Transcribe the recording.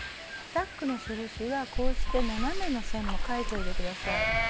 タックの印はこうして斜めの線も書いといて下さい。